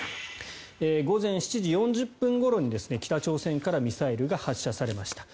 午前７時４０分ごろに北朝鮮からミサイルが発射されました。